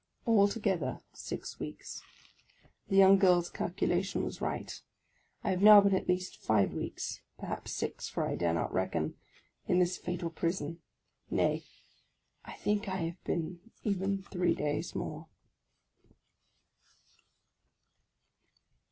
Altogether six weeks. The young girl's calculation was right! I have now been at least five weeks (perhaps six, for I dare not reckon) in this fatal prison; nay, I think I have been even three days more.